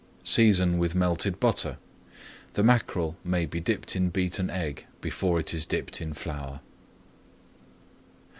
Season with melted butter. The mackerel may be dipped in beaten egg before it is dipped in flour.